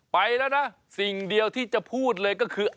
ไปแล้วนะสิ่งเดียวที่จะพูดเลยก็คือ